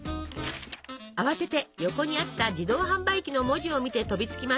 慌てて横にあった「自動はんばい機」の文字を見て飛びつきます！